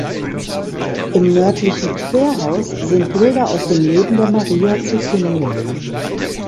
Im nördlichen Querhaus sind Bilder aus dem Leben der Maria zu finden.